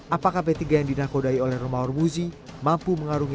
apakah p tiga yang dinakodai oleh rumah hormon